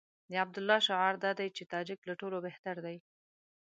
د عبدالله شعار دا دی چې تاجک له ټولو بهتر دي.